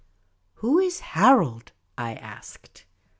" Wnio is Harold ?" I asked.